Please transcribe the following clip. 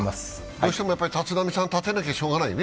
どうしても立浪さん立てないとしかたないね。